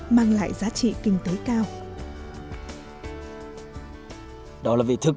mang lại giá trị kinh tế cao